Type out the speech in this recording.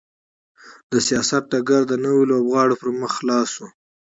د سیاست ډګر د نویو لوبغاړو پر مخ خلاص شو.